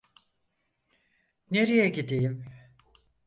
Nereye gideyim?